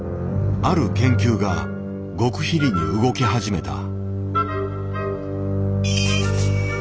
ある研究が極秘裏に動き始めた。